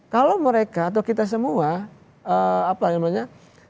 kalau mereka atau kita semua